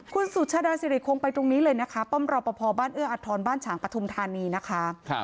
คุณสุชาดาสิริคงไปตรงนี้เลยนะคะป้อมรอปภบ้านเอื้ออัตทรบ้านฉางปฐุมธานีนะคะ